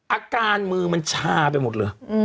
อาการมือมันชาไปหมดเลย